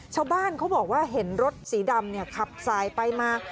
ชาวบ้านเขาบอกว่าเห็นรถสีดำขับสายไปมา